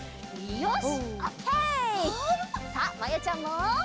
よし！